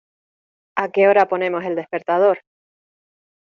¿A qué hora ponemos el despertador?